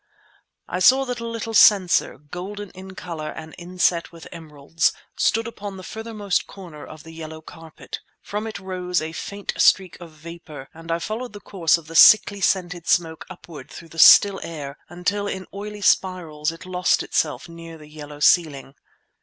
I saw that a little censer, golden in colour and inset with emeralds, stood upon the furthermost corner of the yellow carpet. From it rose a faint streak of vapour; and I followed the course of the sickly scented smoke upward through the still air until in oily spirals it lost itself near to the yellow ceiling.